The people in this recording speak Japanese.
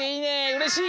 うれしい！